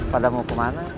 pada mau kemana